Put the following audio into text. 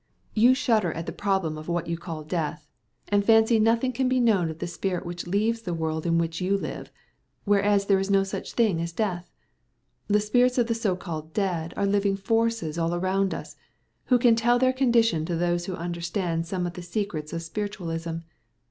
You shudder at the problem of what you call death, and fancy nothing can be known of the spirit which leaves the world in which you live; whereas there is no such thing as death. The spirits of the so called dead are living forces all around us, who can tell their condition to those who understand some of the secrets of spiritualism.